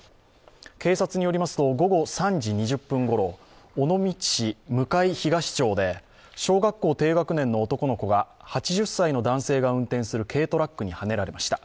警察によりますと午後３時２０分ごろ、尾道市向東町で小学校低学年の男の子が８０歳の男性が運転する軽トラックにはねられました。